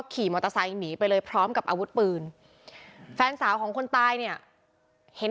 ขี่มอเตอร์ไซค์หนีไปเลยพร้อมกับอาวุธปืนแฟนสาวของคนตายเนี่ยเห็น